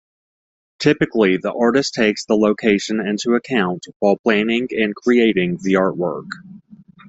Typically, the artist takes the location into account while planning and creating the artwork.